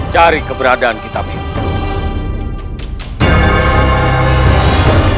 cari keberadaan kitab itu